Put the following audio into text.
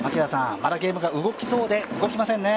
ゲームが動きそうで動きませんね。